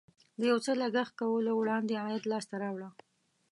د یو څه لګښت کولو وړاندې عاید لاسته راوړه.